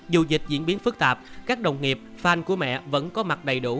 dù dịch diễn biến phức tạp các đồng nghiệp fan của mẹ vẫn có mặt đầy đủ